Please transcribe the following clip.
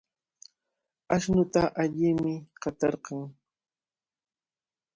Ashnuta allimi watarqan.